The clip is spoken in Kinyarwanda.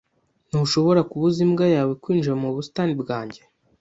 Ntushobora kubuza imbwa yawe kwinjira mu busitani bwanjye?